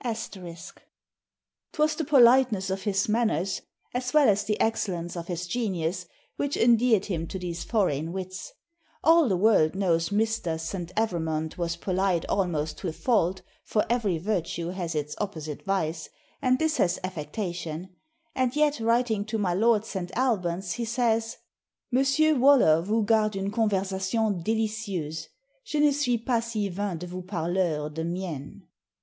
_*] "'Twas the politeness of his manners, as well as the excellence of his genius, which endeared him to these foreign wits. All the world knows Mr. St. Evremond was polite almost to a fault, for ev'ry virtue has its opposite vice, and this has affectation; and yet writing to my Lord St. Albans he says, 'Mr. Waller vous garde une conversation délicieuse, je ne suis pas si vain de vous parleur de mienne.